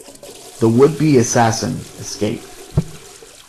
The would-be assassin escaped.